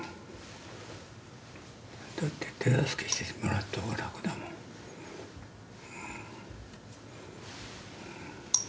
だって手助けしてもらった方が楽だもん。